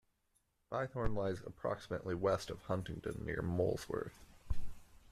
Bythorn lies approximately west of Huntingdon near Molesworth.